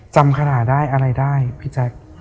คาถาได้อะไรได้พี่แจ๊ค